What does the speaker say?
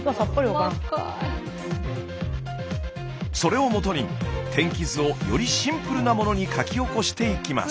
それをもとに天気図をよりシンプルなものに書き起こしていきます。